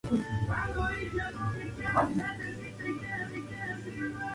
A veces se conservan sus flores en azúcar.